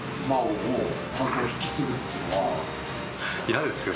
嫌ですよ。